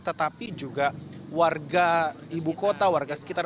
tetapi juga warga ibu kota warga sekitar